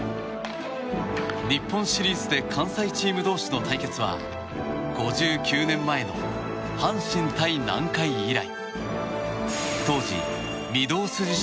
日本シリーズで関西チーム同士の対決は５９年前の阪神対南海以来。